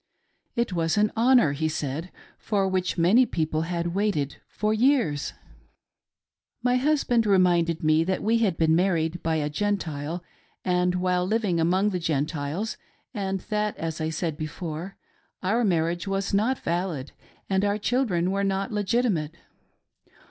It was an honor, he said, for which many people had waited for years. My husband reminded me that we had been married by a 3s 8 THE TEMPLE ROBES. Gentile and while living among Gentiles, and that— as I said before — our marriage was not valid, and our children were not legitimate.